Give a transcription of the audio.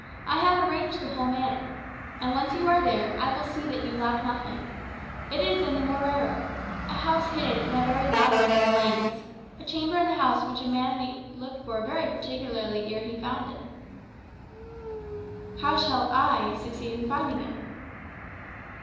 I have arranged the whole matter. And once you are there, I will see that you lack nothing. It is in the Morrero;[#] a house hidden in a very labyrinth of lanes, a chamber in the house which a man would need to look for very particularly ere he found it." [#] Moorish quarter of the city. "How shall I succeed in finding it?"